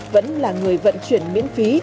vẫn là người vận chuyển miễn phí